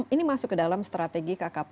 ini masuk ke dalam strategi kkp